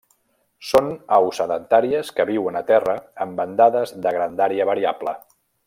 Són aus sedentàries que viuen a terra en bandades de grandària variable.